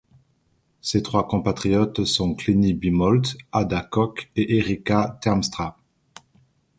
Ses trois compatriotes sont Klenie Bimolt, Ada Kok et Erica Terpstra.